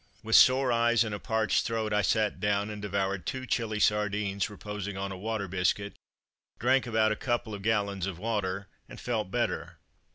With sore eyes and a parched throat I sat down and devoured two chilly sardines, reposing on a water biscuit, drank about a couple of gallons of water, and felt better.